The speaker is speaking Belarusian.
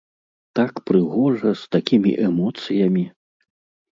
Так прыгожа, з такімі эмоцыямі!